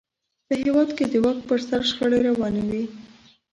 په هېواد کې د واک پر سر شخړې روانې وې.